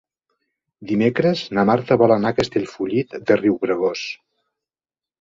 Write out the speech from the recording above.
Dimecres na Marta vol anar a Castellfollit de Riubregós.